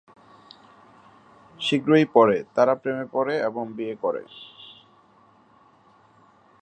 শীঘ্রই পরে, তারা প্রেমে পড়ে এবং বিয়ে করে।